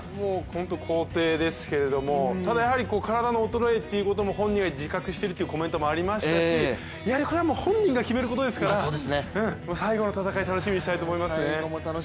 皇帝ですけれども、体の衰えっていうことも本人は自覚しているっていうコメントもありましたしこれは本人が決めることですから最後の戦い楽しみにしたいと思いますね。